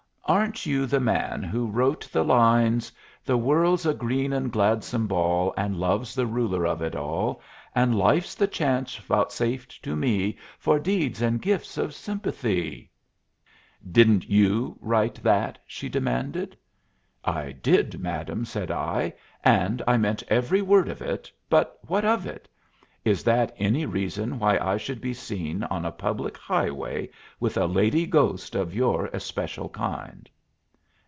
"Aren't you the man who wrote the lines, The World's a green and gladsome ball, And Love's the Ruler of it all, And Life's the chance vouchsafed to me For Deeds and Gifts of Sympathy? Didn't you write that?" she demanded. "I did, madam," said I, "and I meant every word of it, but what of it? Is that any reason why I should be seen on a public highway with a lady ghost of your especial kind?"